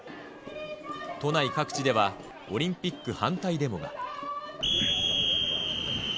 都内各地では、オリンピック反対デモが。